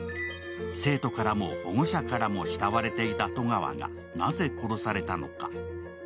生徒からも保護者からも慕われていた戸川がなぜ殺されたのか？